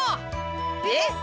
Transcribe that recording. えっ？